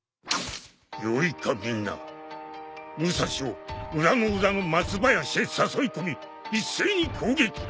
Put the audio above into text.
よいかみんな武蔵を村の裏の松林へ誘い込み一斉に攻撃。